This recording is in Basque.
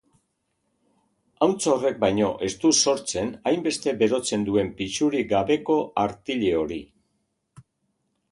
Ahuntz horrek baino ez du sortzen hainbeste berotzen duen pisurik gabeko artile hori.